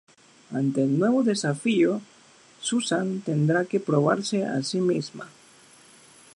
Ante el nuevo desafío, Susan tendrá que probarse a sí misma.